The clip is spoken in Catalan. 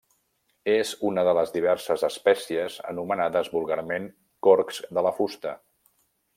És una de les diverses espècies anomenades vulgarment corcs de la fusta.